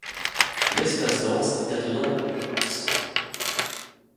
L’Espace Danse est attenant au complexe.